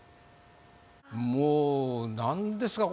もうなんですか？